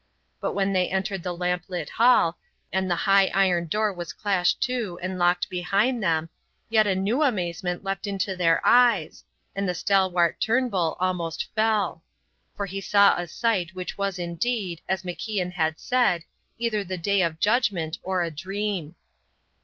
But when they entered the lamp lit hall, and the high iron door was clashed to and locked behind them, yet a new amazement leapt into their eyes, and the stalwart Turnbull almost fell. For he saw a sight which was indeed, as MacIan had said either the Day of Judgement or a dream.